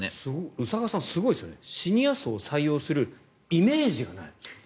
宇佐川さん、すごいですねシニア層を採用するイメージがない。